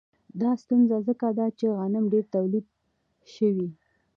دا ستونزه ځکه ده چې غنم ډېر تولید شوي